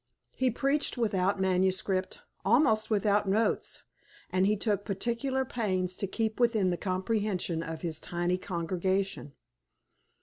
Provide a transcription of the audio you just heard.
He preached without manuscript, almost without notes, and he took particular pains to keep within the comprehension of his tiny congregation.